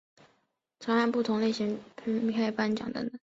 曾按不同类型片分开颁奖等等。